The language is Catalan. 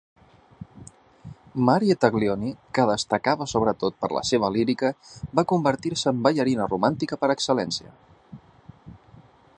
Marie Taglioni, que destacava sobretot per la seva lírica, va convertir-se en la ballarina romàntica per excel·lència.